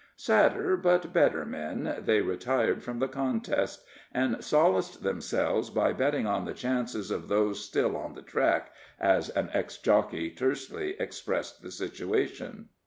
Sadder but better men, they retired from the contest, and solaced themselves by betting on the chances of those still "on the track," as an ex jockey tersely expressed the situation.